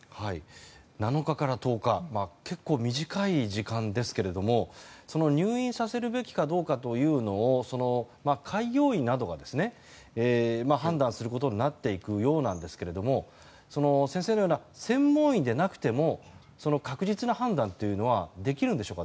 ７日から１０日結構短い時間ですけれどもその入院させるべきかどうかというのを開業医などが判断することになっていくようなんですけれども先生のような専門医でなくても確実な判断はできるんでしょうか。